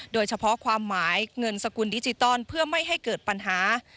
โดยเฉพาะความหมายเงินสกุลดิจิตอลเพื่อไม่ให้เกิดปัญหา